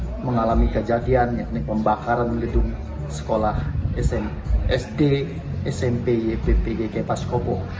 yang mengalami kejadian yakni pembakaran gedung sekolah sd smp yp ppg paskopo